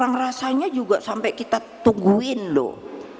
makanya juga sampai kita tungguin loh